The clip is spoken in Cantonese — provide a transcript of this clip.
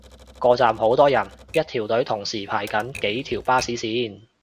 個站好多人，一條隊同時排緊幾條巴士線